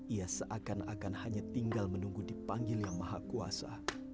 ia seakan akan hanya tinggal menunggu dipanggil yang maha kuasa